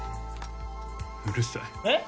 うるさいえっ？